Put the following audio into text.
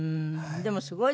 でもすごいですね。